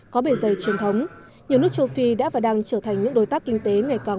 có bề dày truyền thống nhiều nước châu phi đã và đang trở thành những đối tác kinh tế ngày càng